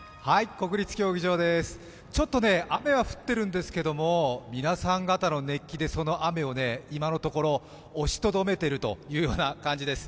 雨は降っているんですけども、皆さん方の熱気でその雨を今のところ押しとどめているというような感じです。